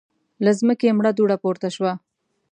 له ځمکې مړه دوړه پورته شوه.